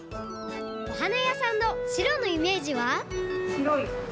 おはなやさんの白のイメージは？